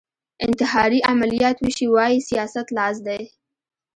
انتحاري عملیات وشي وايي سیاست لاس دی